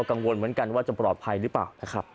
กังวลเหมือนกันว่าจะปลอดภัยหรือเปล่านะครับ